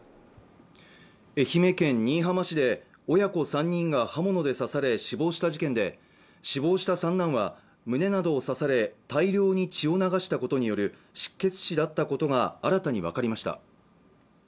愛媛県新居浜市で親子３人が刃物で刺され死亡した事件で死亡した三男は胸などを刺され大量に血を流したことによる失血死だったことが新たに分かりました